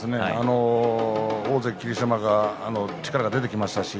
大関霧島が力が出てきましたし